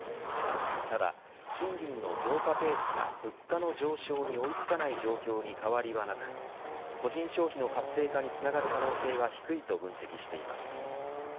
ただ、賃金の増加ペースが物価の上昇に追いつかない状況に変わりはなく個人消費の活性化につながる可能性は低いと分析しています。